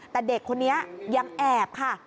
แต่เด็กคนนี้ยังแอบค่ะ